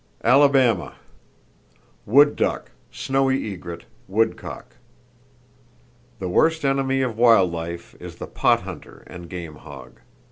Alabama: Wood duck, snowy egret, woodcock. "The worst enemy of wild life is the pot hunter and game hog.